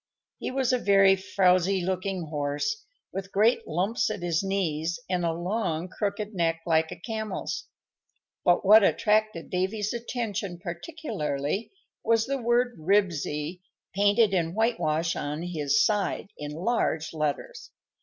He was a very frowsy looking horse, with great lumps at his knees and a long, crooked neck like a camel's; but what attracted Davy's attention particularly was the word "RIBSY" painted in whitewash on his side in large letters.